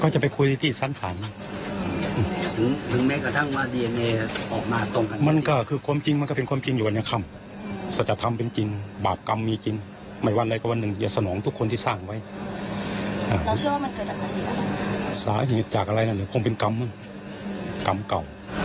อย่างนี้ต้องการปฏิเสธทุกข้อไม่ได้ค่ะ